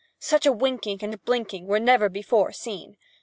Such a winking and blinking were never before seen.